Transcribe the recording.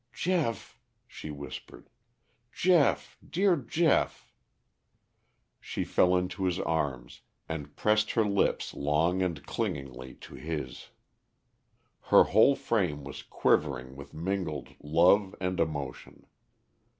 "Geoff," she whispered. "Geoff, dear Geoff." She fell into his arms, and pressed her lips long and clingingly to his. Her hole frame was quivering with mingled love and emotion.